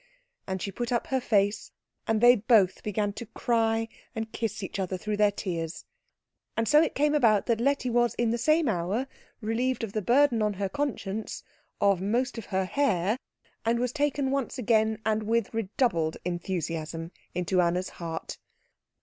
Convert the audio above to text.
And she put up her face, and they both began to cry and kiss each other through their tears. And so it came about that Letty was in the same hour relieved of the burden on her conscience, of most of her hair, and was taken once again, and with redoubled enthusiasm, into Anna's heart.